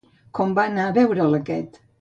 Com va anar a veure'l aquest?